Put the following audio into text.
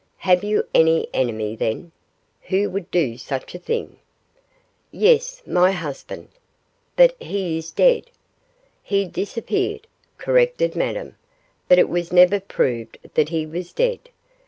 'Have you any enemy, then, who would do such a thing?' 'Yes; my husband.' 'But he is dead.' 'He disappeared,' corrected Madame, 'but it was never proved that he was dead.